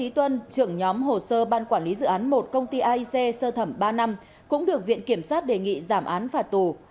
trước đó phan huy anh vũ cũng được viện kiểm sát đề nghị giảm án phạt tù